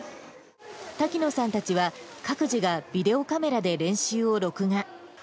滝野さんたちは、各自がビデオカメラで練習を録画。